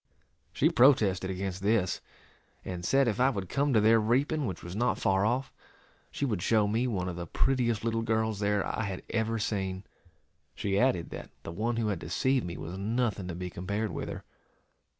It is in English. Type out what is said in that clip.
She protested against this, and said if I would come to their reaping, which was not far off, she would show me one of the prettiest little girls there I had ever seen. She added that the one who had deceived me was nothing to be compared with her.